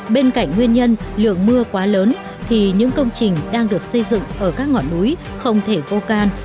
bên cạnh nguyên nhân lượng mưa quá lớn thì những công trình đang được xây dựng ở các ngọn núi không thể vô can